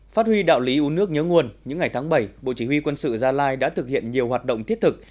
phát huy đạo lý u nước nhớ nguồn những ngày tháng bảy bộ chỉ huy quân sự gia lai đã thực hiện nhiều hoạt động thiết thực